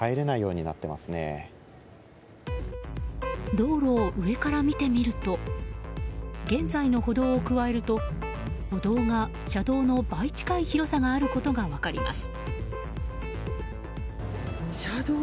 道路を上から見てみると現在の歩道を加えると歩道が車道の倍近い広さがあることが分かります。